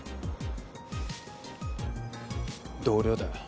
同僚だよ。